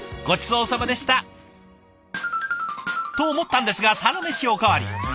ごちそうさまでした。と思ったんですがサラメシお代わり。